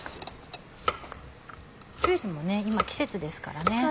きゅうりも今季節ですからね。